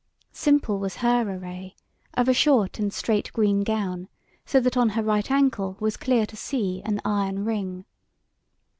Simple was her array, of a short and strait green gown, so that on her right ankle was clear to see an iron ring.